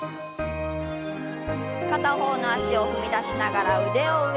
片方の脚を踏み出しながら腕を上。